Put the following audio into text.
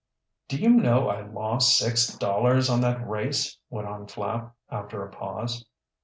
"Do you know I lost six dollars on that race," went on Flapp, after a pause.